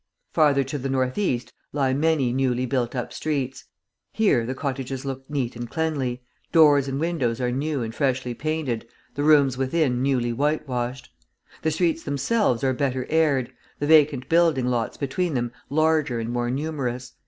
Farther to the north east lie many newly built up streets; here the cottages look neat and cleanly, doors and windows are new and freshly painted, the rooms within newly whitewashed; the streets themselves are better aired, the vacant building lots between them larger and more numerous.